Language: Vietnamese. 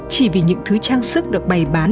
chỉ vì những thứ trang sức được bày bán